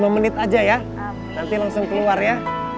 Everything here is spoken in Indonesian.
lima menit aja ya nanti langsung keluar ya